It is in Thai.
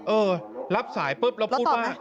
เออรับสายปุ๊บเราพูดว่า